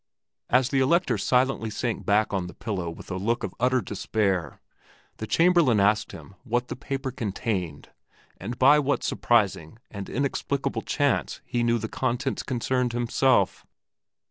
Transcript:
As the Elector silently sank back on the pillow with a look of utter despair, the Chamberlain asked him what the paper contained and by what surprising and inexplicable chance he knew that the contents concerned himself.